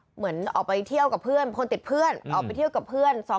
เหมือนออกไปเที่ยวกับเพื่อนคนติดเพื่อนออกไปเที่ยวกับเพื่อน